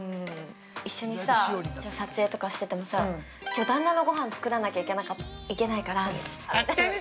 一緒に撮影とかしててもさきょう、旦那のごはん作らなきゃいけないからみたいな。